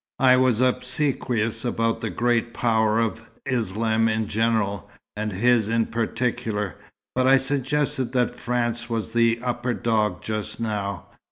I was obsequious about the great power of Islam in general, and his in particular, but I suggested that France was the upper dog just now.